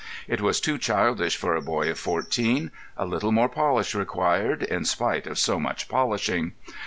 It was too childish for a boy of fourteen—a little more polish required, in spite of so much polishing.